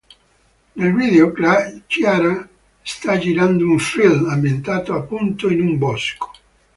Nel video, Ciara sta girando un film, ambientato appunto in un bosco.